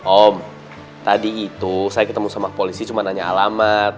om tadi itu saya ketemu sama polisi cuma nanya alamat